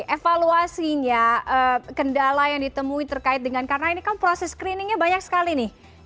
evaluasinya kendala yang ditemui terkait dengan karena ini kan proses screeningnya banyak sekali nih